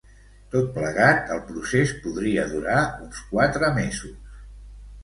Tot plegat, el procés podria durar uns quatre mesos.